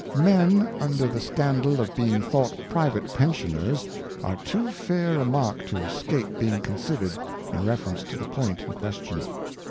Men under the scandal of being thought private Pensioners, are too fair a mark to escape being consider'd, in reference to the point in Question.